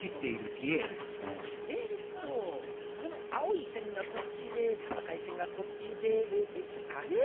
えっとこの青いせんがこっちで赤いせんがこっちであれ？